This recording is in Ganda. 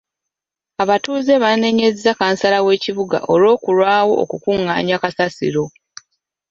Abatuuze baanenyezza kansala w'ekibuga olw'okulwawo okukungaanya kasasiro.